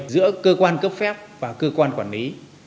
giữa cơ quan cấp phép và cơ quan quản lý